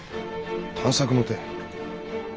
探索の手？